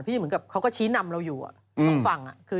เหมือนกับเขาก็ชี้นำเราอยู่ต้องฟัง